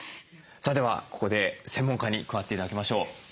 さあではここで専門家に加わって頂きましょう。